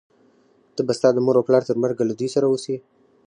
ته به ستا د مور و پلار تر مرګه له دوی سره اوسې،